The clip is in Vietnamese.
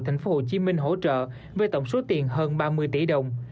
tp hcm hỗ trợ với tổng số tiền hơn ba mươi tỷ đồng